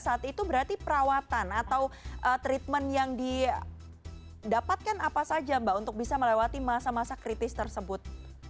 saat itu berarti perawatan atau treatment yang didapatkan apa saja mbak untuk bisa melewati masa masa kritis tersebut